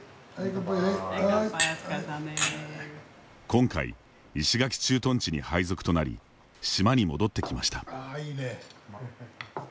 今回、石垣駐屯地に配属となり島に戻ってきました。